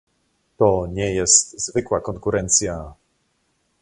To nie jest zwykła konkurencja